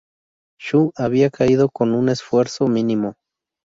Shu había caído con un esfuerzo mínimo.